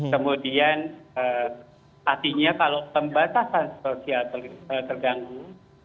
kemudian artinya kalau pembatasan sosial terganggu